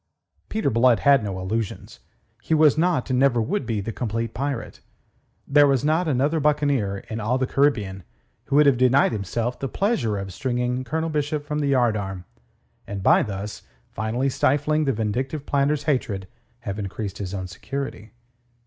Peter Blood had no illusions. He was not, and never would be, the complete pirate. There was not another buccaneer in all the Caribbean who would have denied himself the pleasure of stringing Colonel Bishop from the yardarm, and by thus finally stifling the vindictive planter's hatred have increased his own security.